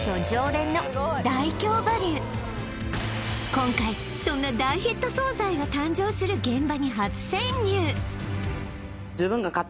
今回そんな大ヒット惣菜が誕生する現場に初潜入